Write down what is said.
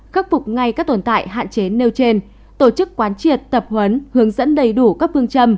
khắc phục ngay các tồn tại hạn chế nêu trên tổ chức quán triệt tập huấn hướng dẫn đầy đủ các phương châm